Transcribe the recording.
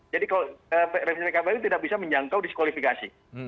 jadi kalau revisi ke pkpu tidak bisa menyangkut diskulifikasi